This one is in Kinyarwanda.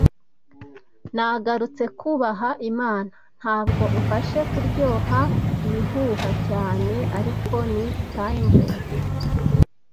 Nagarutse kubaha Imana. Ntabwo umfashe kuryoha ibihuha cyane, ariko ni thimble